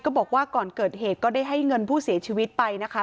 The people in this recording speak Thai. บอกว่าก่อนเกิดเหตุก็ได้ให้เงินผู้เสียชีวิตไปนะคะ